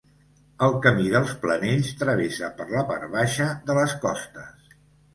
El Camí dels Planells travessa per la part baixa de les Costes.